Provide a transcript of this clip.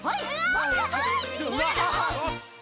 まちなさい！